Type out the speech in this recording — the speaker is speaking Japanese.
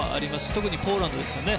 特にポーランドですね。